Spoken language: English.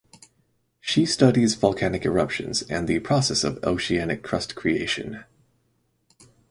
She studies volcanic eruptions and the process of oceanic crust creation.